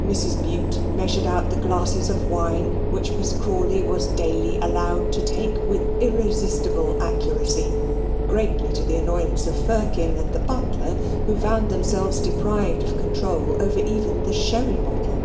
Mrs. Bute measured out the glasses of wine which Miss Crawley was daily allowed to take, with irresistible accuracy, greatly to the annoyance of Firkin and the butler, who found themselves deprived of control over even the sherry bottle.